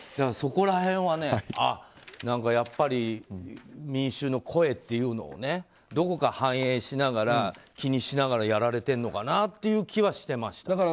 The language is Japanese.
そこら辺は、やっぱり民衆の声というのをどこか反映しながら気にしながらやられてるのかなという気はしてました。